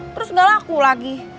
terus gak laku lagi